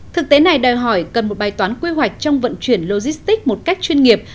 thực tế này đòi hỏi cần một bài toán quy hoạch trong vận chuyển logistics một cách chuyên nghiệp